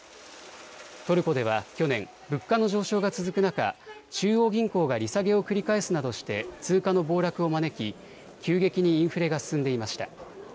トルコでは去年、物価の上昇が続く中、中央銀行が利下げを繰り返すなどして通貨の暴落を招き急激にインフレが進んでいました。